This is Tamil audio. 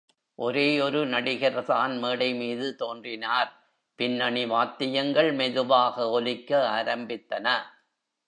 ஒரே ஒரு நடிகர் தான் மேடைமீது தோன்றினார், பின்னணி வாத்தியங்கள் மெதுவாக ஒலிக்க ஆரம்பித்தன.